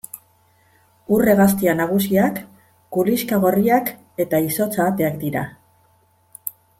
Ur-hegaztia nagusiak kuliska gorriak eta izotz-ahateak dira.